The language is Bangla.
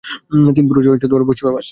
তিনপুরুষে পশ্চিমে বাস।